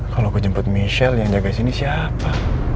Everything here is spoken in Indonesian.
kalau gue jemput michelle yang jaga sini siapa